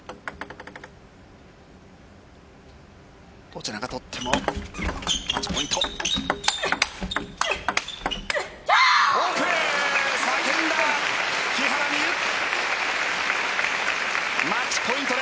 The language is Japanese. どちらが取ってもマッチポイント。